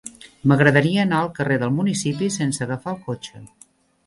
M'agradaria anar al carrer del Municipi sense agafar el cotxe.